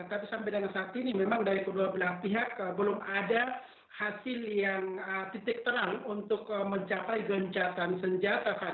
tapi sampai dengan saat ini memang dari kedua belah pihak belum ada hasil yang titik terang untuk mencapai gencatan senjata